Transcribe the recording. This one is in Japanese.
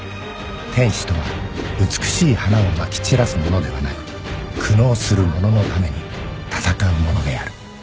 「天使とは美しい花を撒き散らす者ではなく苦悩する者のために戦う者である」